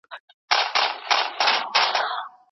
ابن خلدون د دې برخې مخکښ دی.